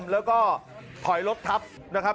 แล้วก็ถอยรถทับนะครับ